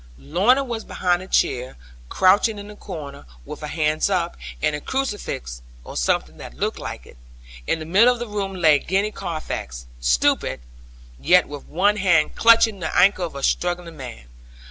Lorna was behind a chair, crouching in the corner, with her hands up, and a crucifix, or something that looked like it. In the middle of the room lay Gwenny Carfax, stupid, yet with one hand clutching the ankle of a struggling man.